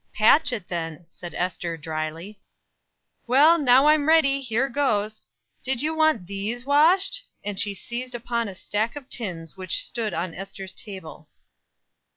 "Patch it, then," said Ester, dryly. "Well, now I'm ready, here goes. Do you want these washed?" And she seized upon a stack of tins which stood on Ester's table.